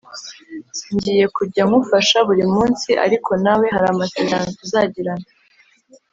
ngiye kujya nkufasha buri munsi ariko nawe hari amasezerano tuzagirana